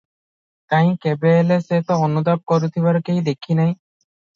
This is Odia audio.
କାହିଁ, କେବେହେଲେ ସେ ତ ଅନୁତାପ କରୁଥିବାର କେହି ଦେଖିନାହିଁ?